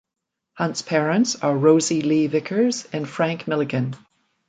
Hunt's parents are Rosie Lee Vickers and Frank Milligan.